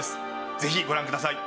ぜひご覧ください。